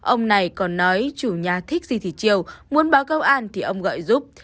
ông này còn nói chủ nhà thích gì thì chiều muốn báo công an thì ông gọi giúp